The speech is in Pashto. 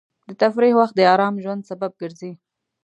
د تفریح وخت د ارام ژوند سبب ګرځي.